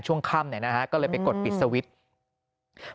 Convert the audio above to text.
ช่วงค่ำเนี่ยนะฮะก็เลยไปกดปิดสวิตช์